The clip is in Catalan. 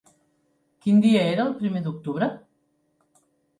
Quin dia era el primer d'octubre?